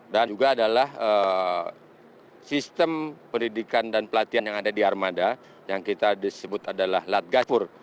dan juga adalah sistem pendidikan dan pelatihan yang ada di armada yang kita disebut adalah latgastur